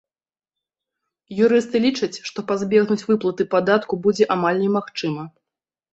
Юрысты лічаць, што пазбегнуць выплаты падатку будзе амаль немагчыма.